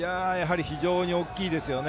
非常に大きいですよね。